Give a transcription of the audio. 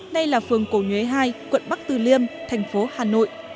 nay là phường cổ nhuế hai quận bắc từ liêm thành phố hà nội